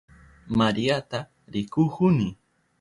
Mariata rikuhuni.